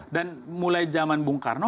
dan mulai zaman bung karno